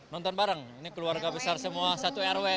nonton bareng ini keluarga besar semua satu rw